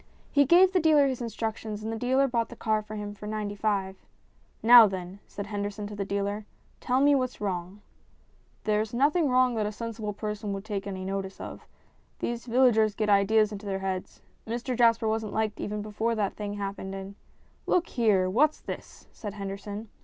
He gave the dealer his instructions and the dealer bought the car for him for 95. "Now then," said Henderson to the dealer, " tell me what's wrong." " There is nothing wrong that a sensible person would take any notice of. These villagers get ideas into their heads. Mr Jasper wasn't liked even before that thing happened, and " "Look here! What's this?" said Henderson.